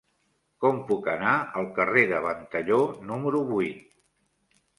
Com puc anar al carrer de Ventalló número vuit?